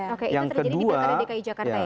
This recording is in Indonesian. oke itu terjadi di pilkada dki jakarta ya